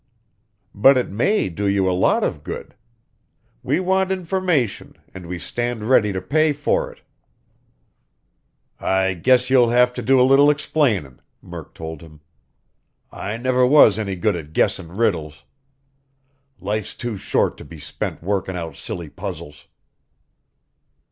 "But it may do you a lot of good. We want information and we stand ready to pay for it." "I guess you'll have to do a little explainin'," Murk told him. "I never was any good at guessin' riddles. Life's too short to be spent workin' out silly puzzles."